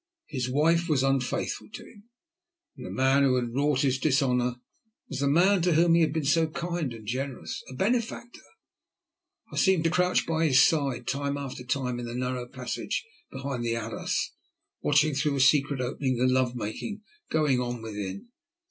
His wife was unfaithful to him, and the man who had wrought his dishonour was the man to whom he had been so kind and generous a benefactor. I seemed to crouch by his side time after time in the narrow passage behind the arras, watching through a secret opening the love making going on within.